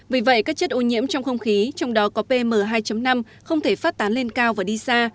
vì vậy các chất ô nhiễm trong không khí trong đó có pm hai năm không thể phát tán lên cao và đi xa